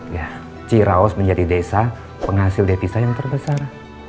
ya ciraos menjadi desa penghasil devisa yang terbesar